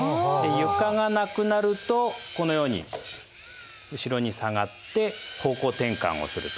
床がなくなるとこのように後ろに下がって方向転換をすると。